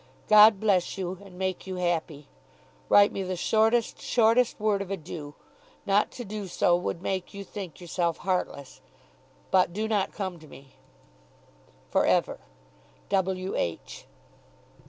God bless you, and make you happy. Write me the shortest, shortest word of adieu. Not to do so would make you think yourself heartless. But do not come to me. For ever, W. H.